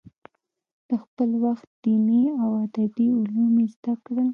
د خپل وخت دیني او ادبي علوم یې زده کړل.